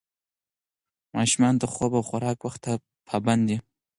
ماشومان د خوب او خوراک وخت ته پابند دي.